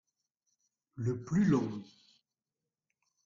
Le plus long.